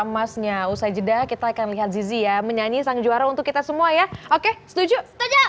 emasnya usai jeda kita akan lihat zizi ya menyanyi sang juara untuk kita semua ya oke setuju setuju